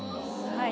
はい。